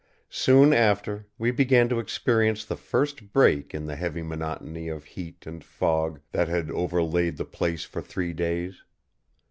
Soon after, we began to experience the first break in the heavy monotony of heat and fog that had overlaid the place for three days.